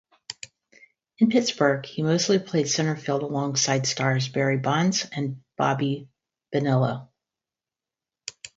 In Pittsburgh, he mostly played center field alongside stars Barry Bonds and Bobby Bonilla.